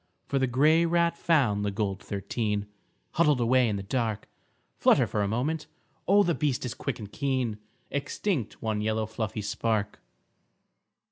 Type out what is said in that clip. For the grey rat found the gold thirteen Huddled away in the dark, Flutter for a moment, oh the beast is quick and keen, Extinct one yellow fluffy spark.